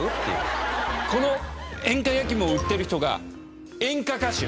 この演歌やきいもを売ってる人が演歌歌手。